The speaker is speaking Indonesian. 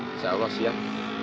insya allah siap